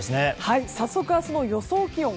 早速、明日の予想気温。